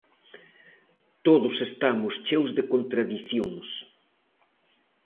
Todos estamos cheos de contradicións.